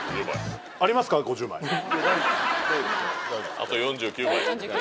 あと４９枚。